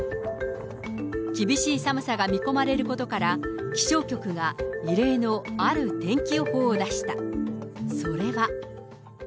厳しい寒さが見込まれることから、気象局が異例のある天気予報を出した。